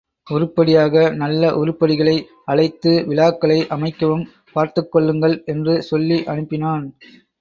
உருப்படியாக நல்ல உருப்படிகளை அழைத்து விழாக்களை அமைக்கவும் பார்த்துக் கொள்ளுங்கள் என்று சொல்லி அனுப்பினான்.